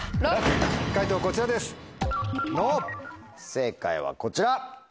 正解はこちら！